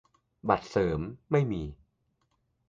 - บัตรเสริม : ไม่มี